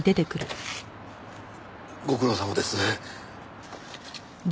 ご苦労さまです。